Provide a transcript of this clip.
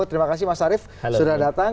terima kasih mas arief sudah datang